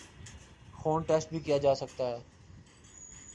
خون ٹیسٹ بھی کیا جاسکتا ہے